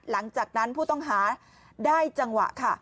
หลังจากนั้นผู้ต้องหาได้จังหวะค่ะ